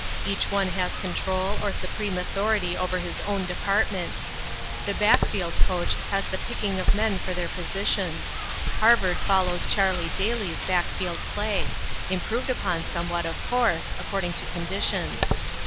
Each one has control or supreme authority over his own department. The backfield coach has the picking of men for their positions. Harvard follows Charlie Daly's backfield play; improved upon somewhat, of course, according to conditions.